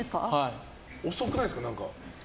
遅くないですか、何か。